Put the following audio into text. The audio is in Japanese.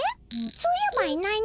そういえばいないね。